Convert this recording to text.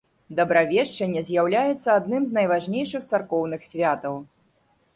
Дабравешчанне з'яўляецца адным з найважнейшых царкоўных святаў.